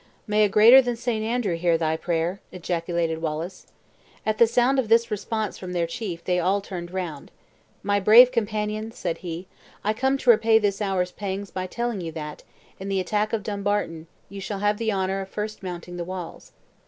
"May a greater than St. Andrew hear thy prayer!" ejaculated Wallace. At the sound of this response from their chief they all turned round. "My brave companions," said he, "I come to repay this hour's pangs by telling you that, in the attack of Dumbarton, you shall have the honor of first mounting the walls.